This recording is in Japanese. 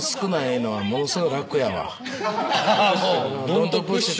ドントプッシュ。